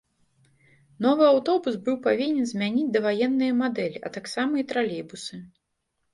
Новы аўтобус быў павінен змяніць даваенныя мадэлі, а таксама і тралейбусы.